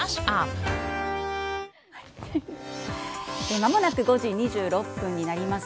まもなく５時２６分になります。